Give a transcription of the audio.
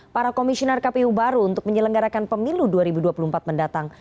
para komisioner kpu baru untuk menyelenggarakan pemilu dua ribu dua puluh empat mendatang